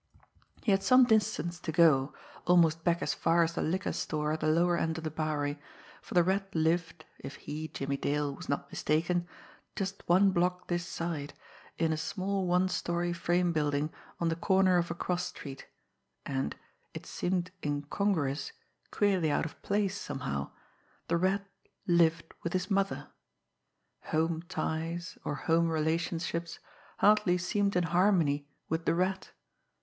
He had some distance to go, almost back as far as the liquor store at the lower end of the Bowery, for the Rat lived, if he, Jimmie Dale, was not mistaken, just one block this side, in a small one story frame building on the corner of a cross street; and it seemed incongruous, queerly out of place somehow the Rat lived with his mother. Home ties, or home relationships, hardly seemed in harmony with the Rat!